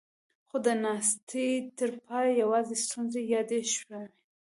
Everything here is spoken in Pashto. خو د ناستې تر پايه يواځې ستونزې يادې شوې.